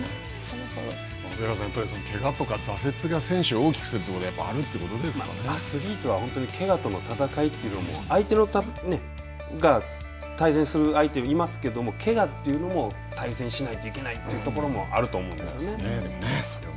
上原さん、けがとか挫折が選手を大きくするということがやっぱアスリートはけがとの戦いというのも対戦する相手がいますけど、けがというのも対戦しないといけないというところもあると思うんですよね。